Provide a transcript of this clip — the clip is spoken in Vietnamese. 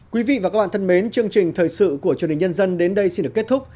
quý vị và các bạn thân mến chương trình thời sự của truyền hình nhân dân đến đây xin được kết thúc